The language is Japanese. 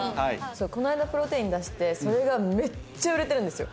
そうこの間プロテイン出してそれがめっちゃ売れてるんですよ。